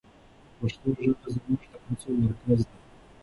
پښتو ژبه زموږ د هڅو مرکز ده.